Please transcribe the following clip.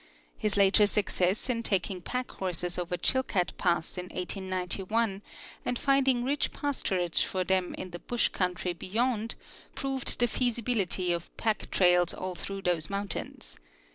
His later success in taking pack horses over Chilkat pass in 1891 and finding rich pasturage for them in the bush country beyond proved the feasibility of pack trails all through those mountains.